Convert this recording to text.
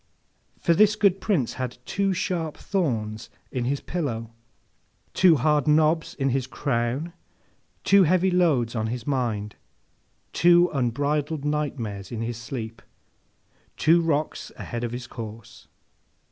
For, this good Prince had two sharp thorns in his pillow, two hard knobs in his crown, two heavy loads on his mind, two unbridled nightmares in his sleep, two rocks ahead in his course.